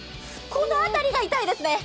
この辺りが痛いです。